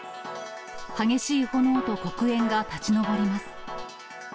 激しい炎と黒煙が立ちのぼります。